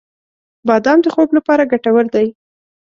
• بادام د خوب لپاره ګټور دی.